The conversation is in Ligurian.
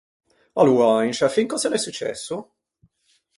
Aloa, in sciâ fin cöse l’é successo?